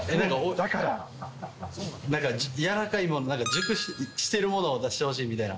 だから軟らかいもの、熟しているものを出してほしいみたいな。